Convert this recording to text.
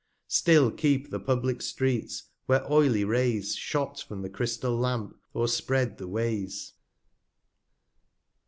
Still keep the publick Streets, where oily Rays Shot from the Crystal Lamp, o'erspread the Ways.